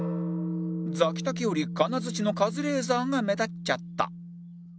ザキ竹よりカナヅチのカズレーザーが目立っちゃった